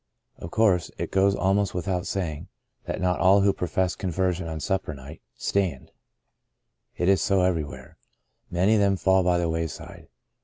'* Of course, it goes almost without saying that not all who profess conversion on Sup per Night stand." It is so everywhere. Many of them fall by the wayside.